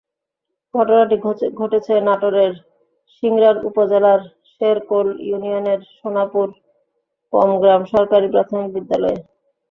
ঘটনাটি ঘটেছে নাটোরের সিংড়ার উপজেলার শেরকোল ইউনিয়নের সোনাপুর পমগ্রাম সরকারি প্রাথমিক বিদ্যালয়ে।